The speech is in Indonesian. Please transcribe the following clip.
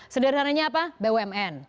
sederhananya apa bumn